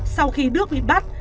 sau khi đức bị bắt